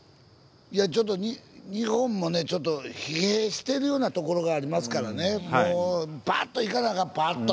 いやちょっと日本もねちょっと疲弊してるようなところがありますからねもうバッといかなあかんバッと。